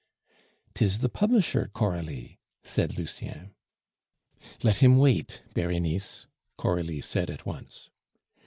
"'Tis the publisher, Coralie," said Lucien. "Let him wait, Berenice," Coralie said at once.